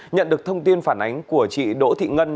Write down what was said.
nhận được thông tin phản ánh của chị đỗ thị ngân